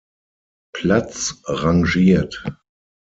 Platz rangiert.